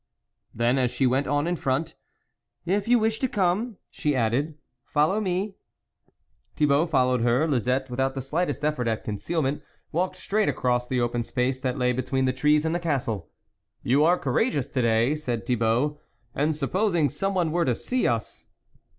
Then, as she went on in front, " If you wish to come," she added, follow me." Thibault followed her ; Lisette, without he slightest effort at concealment, walked straight across the open space that lay be ween the trees and the castle. " You are courageous to day," said Thibault, " and supposing some one were o see us.